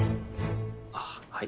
あっはい。